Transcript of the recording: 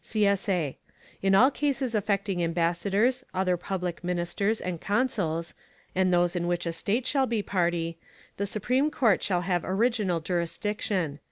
[CSA] In all cases affecting ambassadors, other public ministers and consuls, and those in which a State shall be party, the Supreme Court shall have original jurisdiction.